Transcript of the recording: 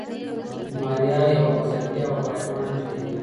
ماریا یوه مذهبي او با ایمانه نجلۍ ده.